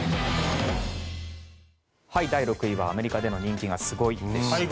第６位はアメリカでの人気がスゴイでした。